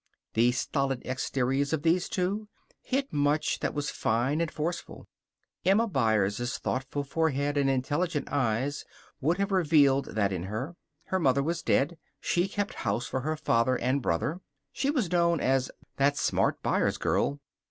The stolid exteriors of these two hid much that was fine and forceful. Emma Byers' thoughtful forehead and intelligent eyes would have revealed that in her. Her mother was dead. She kept house for her father and brother. She was known as "that smart Byers girl."